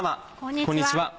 こんにちは。